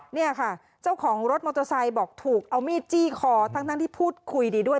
เนี่ยค่ะเจ้าของรถมอเตอร์ไซค์บอกถูกเอามีดจี้คอทั้งที่พูดคุยดีด้วย